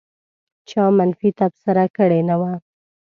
چا منفي تبصره کړې نه وه.